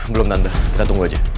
belum tanda kita tunggu aja